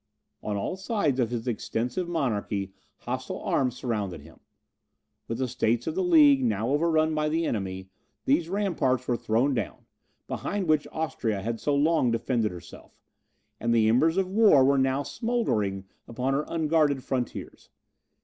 On all sides of his extensive monarchy hostile arms surrounded him. With the states of the League, now overrun by the enemy, those ramparts were thrown down, behind which Austria had so long defended herself, and the embers of war were now smouldering upon her unguarded frontiers.